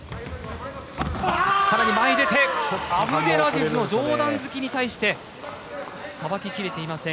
前に出てアブデラジズの上段突きに対してさばき切れていません